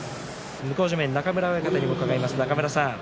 向正面、中村親方に伺います。